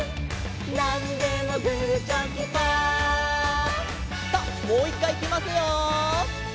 「なんでもグーチョキパー」さあもう１かいいきますよ！